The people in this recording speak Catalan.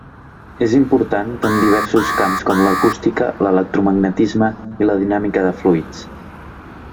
És important en diversos camps com l'acústica, l'electromagnetisme i la dinàmica de fluids.